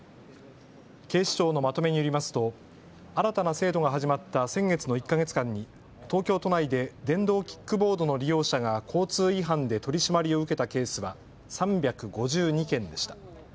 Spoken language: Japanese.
警視庁のまとめによりますと新たな制度が始まった先月の１か月間に東京都内で電動キックボードの利用者が交通違反で取締りを受けたケースは３５２件でした。